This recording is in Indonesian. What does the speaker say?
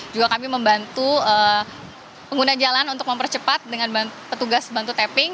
juga kami membantu pengguna jalan untuk mempercepat dengan petugas bantu tapping